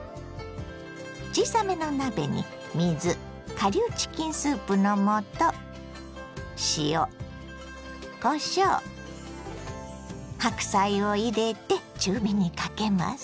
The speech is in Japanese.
小さめの鍋に水顆粒チキンスープの素塩こしょう白菜を入れて中火にかけます。